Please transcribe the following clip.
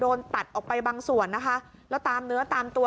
โดนตัดออกไปบางส่วนนะคะแล้วตามเนื้อตามตัว